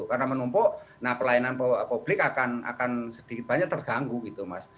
karena menumpuk nah pelayanan publik akan sedikit banyak terganggu gitu mas